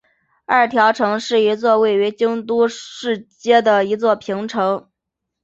二条城是一座位于京都市街的一座平城。